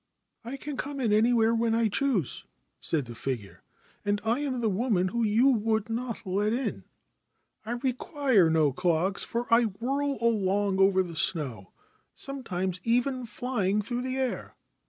1 'I can come in anywhere when I choose,' said the figure, cand I am the woman you would not let in. I require no clogs ; for I whirl along over the snow, sometimes even flying through the air.